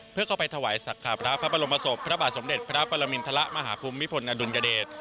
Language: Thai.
เพื่อเข้าไปถวายสักการะพระบรมศพพระบาทสมเด็จพระปรมินทรมาฮภูมิพลอดุลยเดช